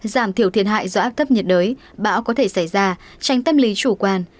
nếu thiên hại do áp thấp nhiệt đới bão có thể xảy ra tránh tâm lý chủ quan